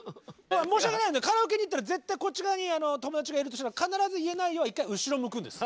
申し訳ないですけどカラオケに行ったら絶対こっち側に友達がいるとしたら必ず「言えないよ」は１回後ろ向くんです。